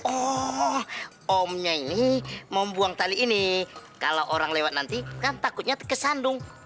oh omnya ini membuang tali ini kalau orang lewat nanti kan takutnya kesandung